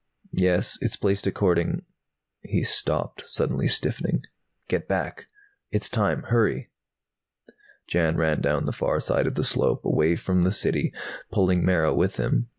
"Yes, it's placed according " He stopped, suddenly stiffening. "Get back! It's time! Hurry!" Jan ran, down the far side of the slope, away from the City, pulling Mara with him.